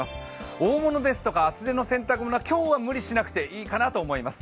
大物ですとか厚手の洗濯物は今日は無理しなくていいかなと思います。